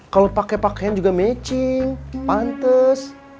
kalo pake pakean juga matching pantes